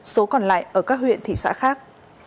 số còn lại ở các huyện thị xã khác